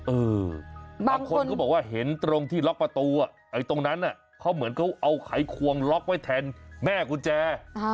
บางคนก็บอกว่าเห็นตรงที่ล็อกประตูตรงนั้นเขาเหมือนเขาเอาไขควงล็อกไว้แทนแม่กุญแจ